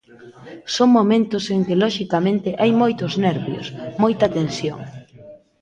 Son momentos en que loxicamente hai moitos nervios, moita tensión.